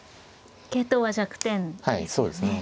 桂頭は弱点ですよね。